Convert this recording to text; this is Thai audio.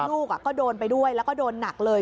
ลูกก็โดนไปด้วยแล้วก็โดนหนักเลย